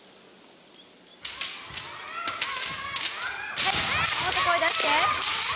はいもっと声出して！